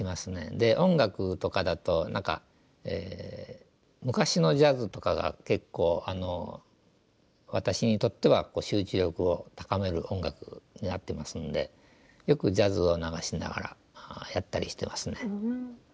で音楽とかだと何か昔のジャズとかが結構私にとっては集中力を高める音楽になってますんでよくジャズを流しながらやったりしてますね。